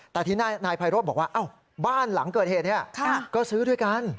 แต่ทีนี้นายไพโรธบอกว่าบ้านหลังเกิดเหตุก็ซื้อด้วยกัน